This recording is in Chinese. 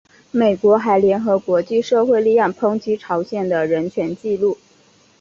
美国还联合国际社会力量抨击朝鲜的人权纪录。